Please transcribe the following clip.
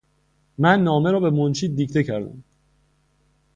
من نامه را به منشی دیکته کردم.